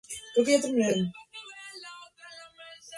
Extremidades largas.